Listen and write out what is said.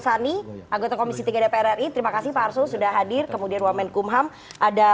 sani anggota komisi kadar rri terima kasih pak arsul sudah hadir kemudian woman kumham ada